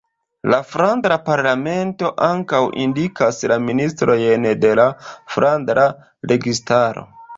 La Flandra Parlamento ankaŭ indikas la ministrojn de la flandra registaro.